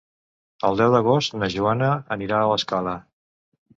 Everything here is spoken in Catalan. El deu d'agost na Joana anirà a l'Escala.